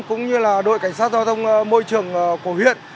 cũng như đội cảnh sát giao thông môi trường của huyện